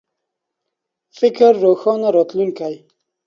فکر روښانه راتلون